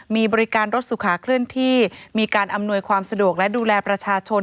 มีบริการรถสุขาเคลื่อนที่มีการอำนวยความสะดวกและดูแลประชาชน